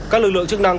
các lực lượng chức năng